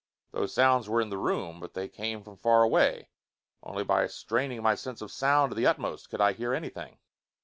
Those sounds were in the room, but they came from far away; only by straining my sense of sound to the utmost could I hear anything.